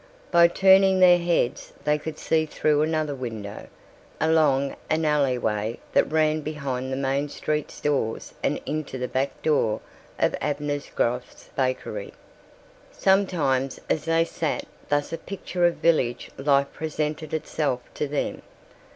By turning their heads they could see through another window, along an alleyway that ran behind the Main Street stores and into the back door of Abner Groff's bakery. Sometimes as they sat thus a picture of village life presented itself to them.